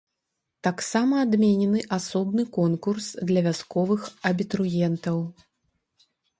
Таксама адменены асобны конкурс для вясковых абітурыентаў.